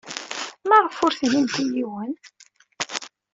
Maɣef ur tennimt i yiwen?